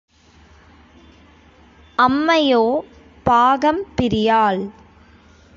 அம்மையோ பாகம் பிரியாள்.